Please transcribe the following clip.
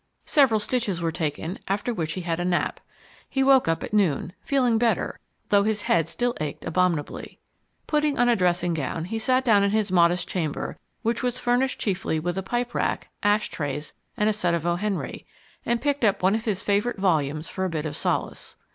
Several stitches were taken, after which he had a nap. He woke up at noon, feeling better, though his head still ached abominably. Putting on a dressing gown, he sat down in his modest chamber, which was furnished chiefly with a pipe rack, ash trays, and a set of O. Henry, and picked up one of his favourite volumes for a bit of solace.